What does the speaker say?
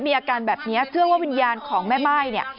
มีอาการแบบนี้เชื่อว่าวิญญาณของแม่ม่ายเนี่ย